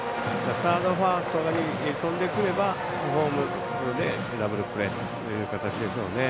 サード、ファーストだけ飛んでくれば、ホームでダブルプレーという形でしょうね。